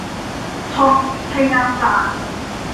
ทองวิทยาศาสตร์